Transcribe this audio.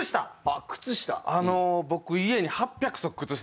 あの僕。